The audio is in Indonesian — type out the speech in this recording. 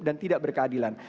dan tidak berkeadilan